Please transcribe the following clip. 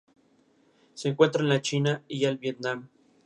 Se encuentra en la China y al Vietnam.